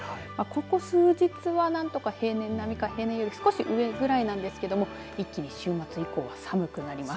ここ数日は何とか平年並みか平年より少し上くらいなんですが一気に週末以降は寒くなります。